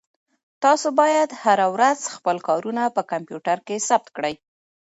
تاسو باید هره ورځ خپل کارونه په کمپیوټر کې ثبت کړئ.